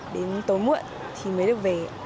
đến tối muộn thì mới được về